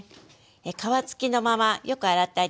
皮つきのままよく洗ってあります。